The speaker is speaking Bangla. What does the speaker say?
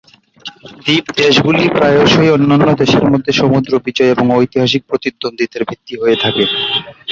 দ্বীপ দেশগুলি প্রায়শই অন্যান্য দেশের মধ্যে সমুদ্র বিজয় এবং ঐতিহাসিক প্রতিদ্বন্দ্বিতার ভিত্তি হয়ে থাকে।